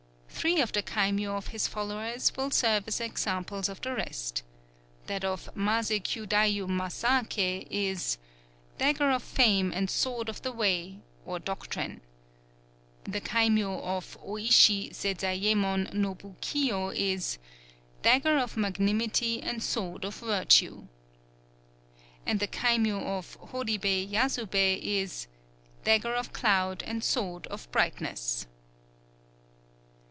Three of the kaimyō of his followers will serve as examples of the rest. That of Masé Kyudayu Masaake is: "Dagger of Fame and Sword of the Way [or Doctrine.]" The kaimyō of Ōïshi Sezayémon Nobukiyo is: "Dagger of Magnanimity and Sword of Virtue." And the kaimyō of Horibei Yasubei is: "_Dagger of Cloud and Sword of Brightness.